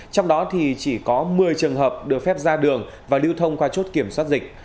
trong đó thì chỉ có một mươi trường hợp được phép ra đường và lưu thông qua chốt kiểm soát dịch